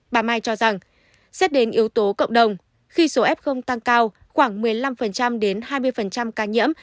bà mai cho rằng xét đến yếu tố cộng đồng khi số f tăng cao khoảng một mươi năm đến hai mươi ca nhiễm